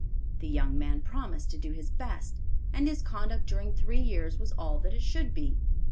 The young man promised to do his best, and his conduct during three years was all that it should be.